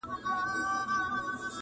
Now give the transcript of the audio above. چا حاصلي مرتبې کړې چاته نوم د سړي پاته،